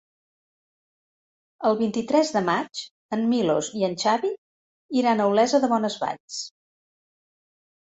El vint-i-tres de maig en Milos i en Xavi iran a Olesa de Bonesvalls.